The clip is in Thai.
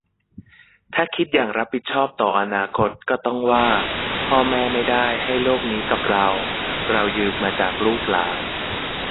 ถ้าคิดอย่างรับผิดชอบต่ออนาคตก็ต้องว่า 'พ่อแม่ไม่ได้ให้โลกนี้กับเรา เรายืมมาจากลูกหลาน'